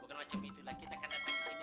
bukan macam itulah kita akan datang disini